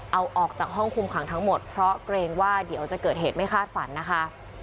เอาออกจากห้องคุมขังทั้งหมดเพราะเกรงว่าเดี๋ยวจะเกิดเหตุไม่คาดฝันนะคะ